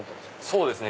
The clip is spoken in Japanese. そうですね